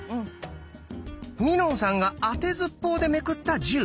みのんさんがあてずっぽうでめくった「１０」。